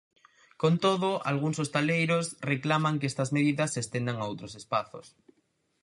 Con todo, algúns hostaleiros reclaman que estas medidas se estendan a outros espazos.